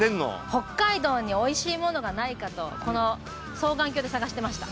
北海道においしいものがないかとこの双眼鏡で探してました。